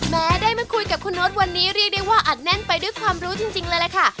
แม้ได้มาคุยกับคุณโน๊ตวันนี้เรียกได้ว่าอัดแน่นไปด้วยความรู้จริงเลยล่ะค่ะ